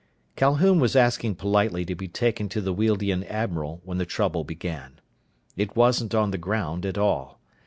Calhoun was asking politely to be taken to the Wealdian admiral when the trouble began. It wasn't on the ground, at all.